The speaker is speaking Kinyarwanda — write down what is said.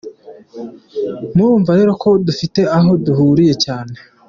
Murumva rero ko dufite aho duhuriye cyane.